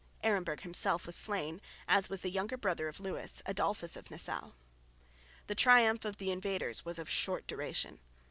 Aremberg himself was slain, as was also the younger brother of Lewis, Adolphus of Nassau. The triumph of the invaders was of short duration.